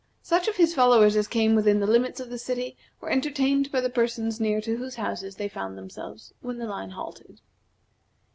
Such of his followers as came within the limits of the city were entertained by the persons near to whose houses they found themselves when the line halted.